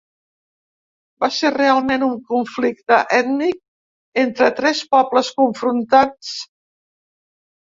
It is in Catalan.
Va ser realment un conflicte ètnic entre tres pobles confrontats?